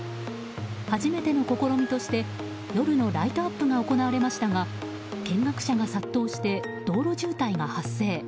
初めての試みとして、夜のライトアップが行われましたが見学者が殺到して道路渋滞が発生。